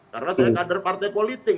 karena saya kader partai politik